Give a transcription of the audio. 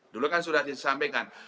dulu kan sudah disampaikan